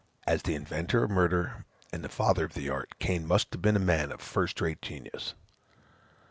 As the inventor of murder, and the father of the art, Cain must have been a man of first rate genius.